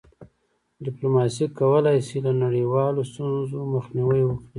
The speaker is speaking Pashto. ډيپلوماسي کولی سي له نړیوالو ستونزو مخنیوی وکړي.